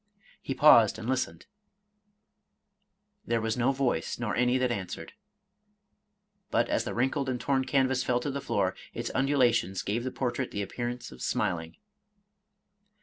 He paused and listened: — "There was no voice, nor any that answered ;"— ^but as the wrinkled and torn canvas fell to the floor, its undulations gave the portrait the appearance of smiling.